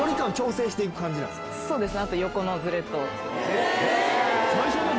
そうですね。